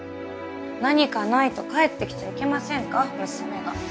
何かないと帰ってきちゃいけませんか娘が。